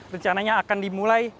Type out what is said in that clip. rencananya akan dimulai